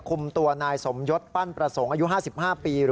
ความใจแ้วของแค้น